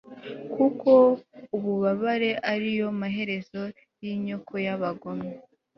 kuko ububabare ari yo maherezo y'inyoko y'abagome